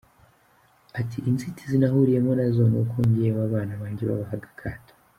Ati “Inzitizi nahuriyemo nazo ni uko njyewe abana banjye babahaga akato.